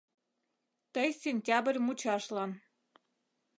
Тый сентябрь мучашлан.